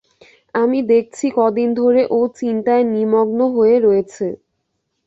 আমি দেখছি কদিন ধরে ও চিন্তায় নিমগ্ন হয়ে রয়েছে।